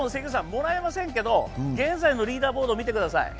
もらえませんけども、現在のリーダーズボードを見てください。